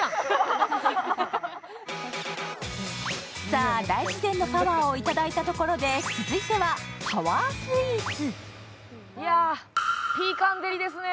さあ、大自然のパワーを頂いたところで、続いてはパワースイーツ。